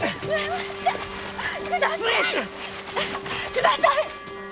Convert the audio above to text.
ください！